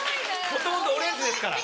ほとんどオレンジですから。